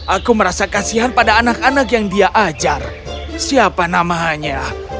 aku merasa kasihan pada anak anak yang dia ajar siapa namanya